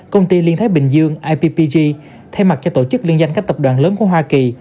công ty liên thái bình dương ippg thay mặt cho tổ chức liên danh các tập đoàn lớn của hoa kỳ